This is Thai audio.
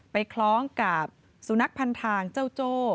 คล้องกับสุนัขพันทางเจ้าโจ้